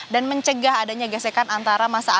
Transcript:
dan mencegah adanya gesekan antara masa